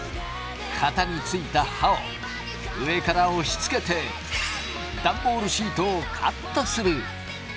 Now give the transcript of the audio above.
型についた刃を上から押しつけてダンボールシートをカットする。